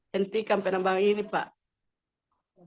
hentikan penambangan ini pak